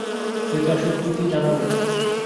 যেতে অস্বীকৃতি জানালে।